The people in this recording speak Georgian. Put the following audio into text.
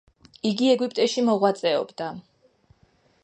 იგი ეგვიპტეში მოღვაწეობდა.